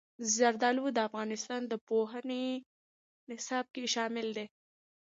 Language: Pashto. زردالو د افغانستان د پوهنې نصاب کې شامل دي.